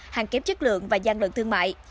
hàng kém chất lượng và gian lượng thương mại